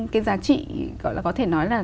cái giá trị có thể nói là